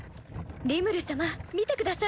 リムル様見てください。